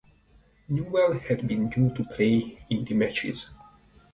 Newell had been due to play in the matches.